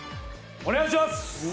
お願いします！